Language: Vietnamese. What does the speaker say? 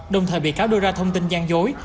đồng thời bị cáo đưa ra thông tin gian dối